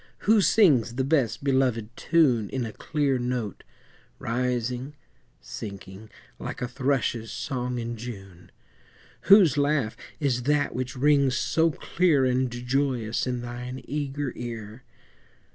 Who sings the best belovèd tune In a clear note, rising, sinking, Like a thrush's song in June? Whose laugh is that which rings so clear And joyous in thine eager ear?